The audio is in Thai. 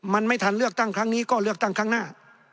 มันไม่ทันเลือกตั้งครั้งนี้ก็เลือกตั้งครั้งหน้า